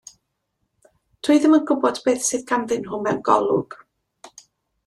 Dw i ddim yn gwybod beth sydd ganddyn nhw mewn golwg.